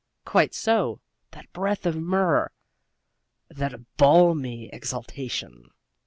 "Quite so, that breath of myrrh " "That balmy exhalation